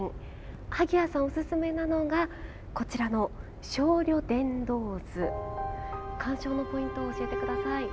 萩谷さんおすすめなのがこちらの「鍾呂伝道図」。鑑賞のポイントを教えてください。